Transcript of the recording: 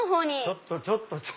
ちょっとちょっと！